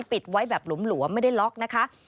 ปิดไว้แบบหลวมไม่ได้ล็อกนะคะ